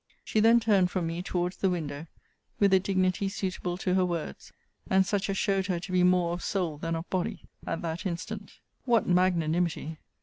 She then turned from me towards the window, with a dignity suitable to her words; and such as showed her to be more of soul than of body at that instant. What magnanimity!